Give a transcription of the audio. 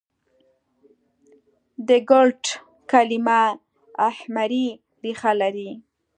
د ګلټ کلیمه اهمري ریښه لري.